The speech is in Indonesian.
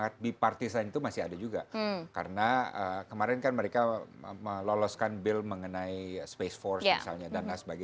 trust dan ada supirnya